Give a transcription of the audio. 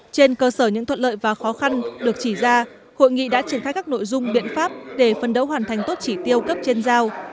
trên cơ sở những thuận lợi và khó khăn được chỉ ra hội nghị đã triển khai các nội dung biện pháp để phân đấu hoàn thành tốt chỉ tiêu cấp trên giao